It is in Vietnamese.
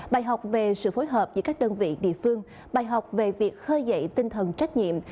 bài học về sự phối hợp giữa các đơn vị địa phương bài học về việc khơi dậy tinh thần trách nhiệm